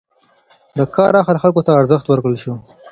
د کار اهل خلکو ته ارزښت ورکړل شو.